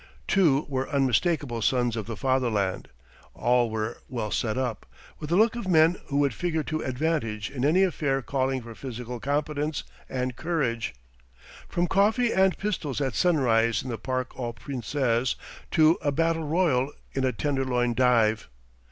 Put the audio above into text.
Two were unmistakable sons of the Fatherland; all were well set up, with the look of men who would figure to advantage in any affair calling for physical competence and courage, from coffee and pistols at sunrise in the Parc aux Princes to a battle royal in a Tenderloin dive.